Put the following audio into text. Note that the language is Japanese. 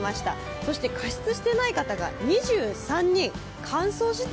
そして加湿していない方が２３人、乾燥自体